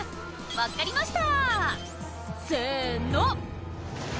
「分かりました」